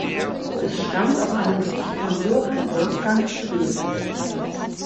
Es stammt aus einem Gedicht von Johann Wolfgang Goethe.